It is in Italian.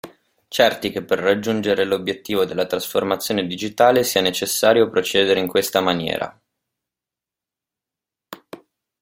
Certi che per raggiungere l'obiettivo della trasformazione digitale sia necessario procedere in questa maniera.